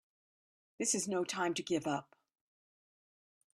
This is no time to give up!